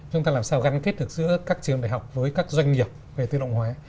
chúng ta làm sao gắn kết được giữa các trường đại học với các doanh nghiệp về tự động hóa